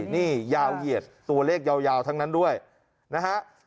นี่ยาวเหยียดตัวเลขยาวทั้งนั้นด้วยนะฮะ